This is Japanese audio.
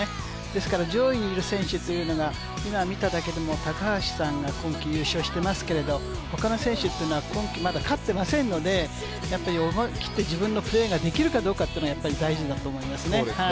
ですから上位にいる選手というのが今、見ただけでも高橋さんが今季優勝してますけど他の選手っていうのは、今季まだ勝っていませんので思い切って自分のプレーができるかっていうのが大事ですね。